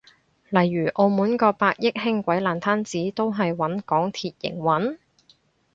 例如澳門個百億輕軌爛攤子都係搵港鐵營運？